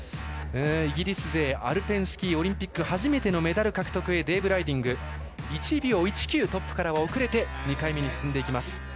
イギリス勢アルペンスキー、オリンピック初めてのメダル獲得へデイブ・ライディング１秒１９、トップから遅れて２回目に進みます。